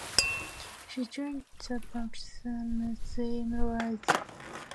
He joined the Pakistan Muslim League.